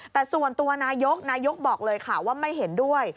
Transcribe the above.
แต่ส่วนตัวนายกนายกบอกเลยค่ะว่าไม่เห็นด้วย